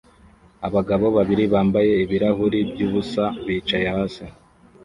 Abagabo babiri bambaye ibirahuri byubusa bicaye hasi